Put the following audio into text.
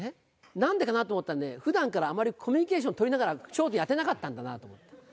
なんでかなと思ったらね、ふだんからあまりコミュニケーション取りながら笑点やってなかったんだと思って。